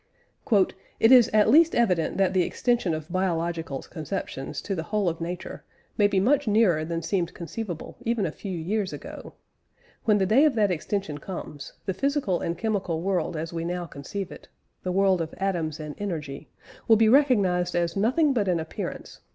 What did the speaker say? "It is at least evident that the extension of biological conceptions to the whole of nature may be much nearer than seemed conceivable even a few years ago. When the day of that extension comes, the physical and chemical world as we now conceive it the world of atoms and energy will be recognised as nothing but an appearance